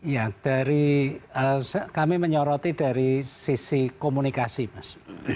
ya dari kami menyoroti dari sisi komunikasi mas